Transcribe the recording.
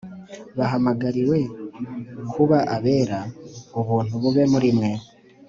bahamagariwe kuba abera. Ubuntu bube muri mwe